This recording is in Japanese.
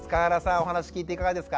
お話聞いていかがですか？